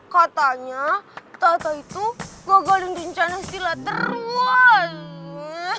katanya tata itu gagalin rencana stila terus